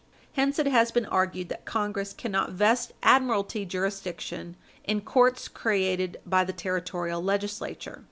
Hence it has been argued that Congress cannot vest admiralty jurisdiction in courts created by the Territorial Legislature."